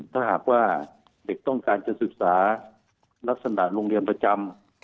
ถ้าหากว่าเด็กต้องการจะศึกษาลักษณะโรงเรียนประจำ